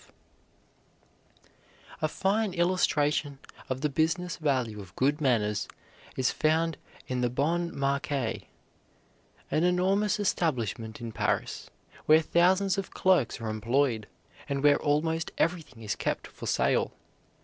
[Illustration: Jane Addams] A fine illustration of the business value of good manners is found in the Bon Marché, an enormous establishment in Paris where thousands of clerks are employed, and where almost everything is kept for sale.